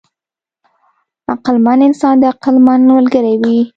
عقلمند انسان د عقلمند ملګری وي.